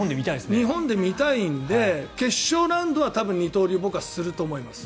日本で見たいので決勝ラウンドは多分二刀流僕はすると思います。